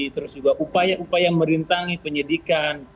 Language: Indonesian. terus juga upaya upaya merintangi penyidikan